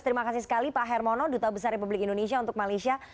terima kasih sekali pak hermono duta besar republik indonesia untuk malaysia